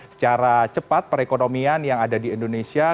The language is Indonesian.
secara cepat perekonomian yang ada di indonesia